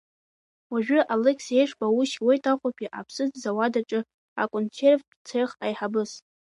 Уажәы Алықьса Ешба аус иуеит Аҟәатәи аԥсыӡтә зауад аҿы, аконсервтә цех аиҳабыс.